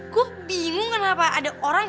kok bingung kenapa ada orang